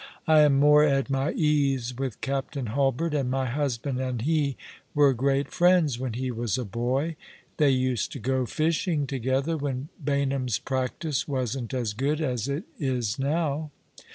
" I am more at my ease with Captain Hulbert, and my husband and he were great friends when he was a boy. They used to go fishing together, when Baynham's practice wasn't as good as it is now."